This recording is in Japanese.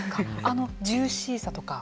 あのジューシーさとか。